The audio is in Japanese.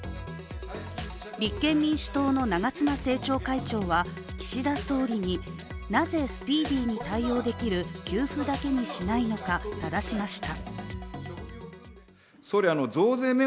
立憲民主党の長妻政調会長は岸田総理になぜスピーディーに対応できる給付だけにしないのかただしました。